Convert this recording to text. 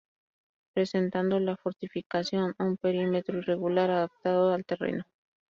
Presentando la fortificación un perímetro irregular, adaptado al terreno.